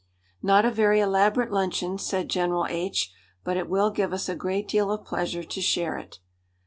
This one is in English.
"Not a very elaborate luncheon," said General H , "but it will give us a great deal of pleasure to share it."